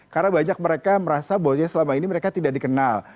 karena banyak mereka merasa bahwa selama ini mereka tidak dikenal